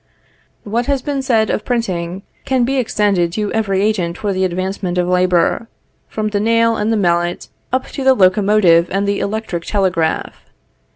What has been said of printing can be extended to every agent for the advancement of labor; from the nail and the mallet, up to the locomotive and the electric telegraph.